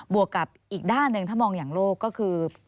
วกกับอีกด้านหนึ่งถ้ามองอย่างโลกก็คือ